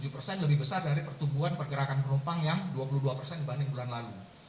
tujuh persen lebih besar dari pertumbuhan pergerakan penumpang yang dua puluh dua persen dibanding bulan lalu